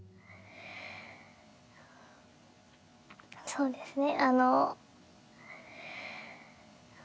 そうですね